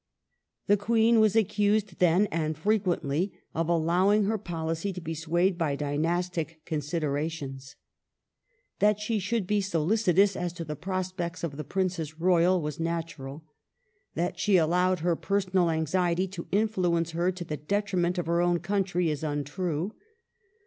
The Queen was accused then, and frequently, of allowing her policy to be swayed by dynastic considerations. That she should be solicitous as to the prospects of the Princess Royal was natural ; that she allowed her pei sonal anxiety to influence her to the detriment of her own country is untrue.